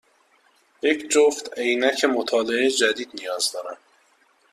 یک جفت عینک مطالعه جدید نیاز دارم.